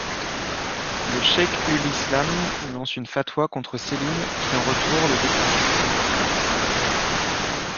Le Cheikh-ul-islam lance une fatwa contre Selim qui en retour le destitue.